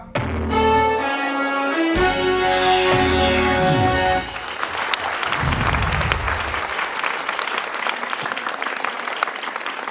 ผมเลยนะครับ